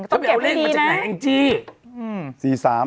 ต้องเก็บให้ดีนะแอ้งจี้อืม